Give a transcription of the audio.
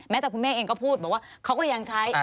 แต่คุณแม่เองก็พูดบอกว่าเขาก็ยังใช้